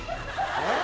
えっ？